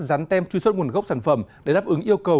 dán tem truy xuất nguồn gốc sản phẩm để đáp ứng yêu cầu